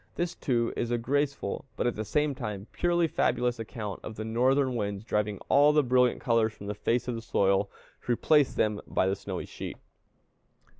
This too is a graceful, but, at the same time, purely fabulous account of the Northern winds driving all the brilliant colors from the face of the soil, to replace them by the snowy sheet.